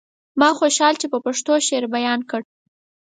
ما خوشحال چې په پښتو شعر بيان کړ.